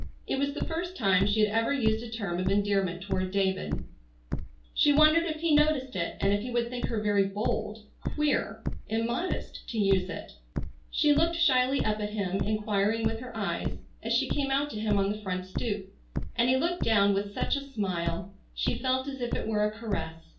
It was the first time she had ever used a term of endearment toward David. She wondered if he noticed it and if he would think her very—bold,—queer,—immodest, to use it. She looked shyly up at him, enquiring with her eyes, as she came out to him on the front stoop, and he looked down with such a smile she felt as if it were a caress.